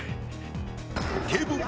Ｋ‐ＰＯＰ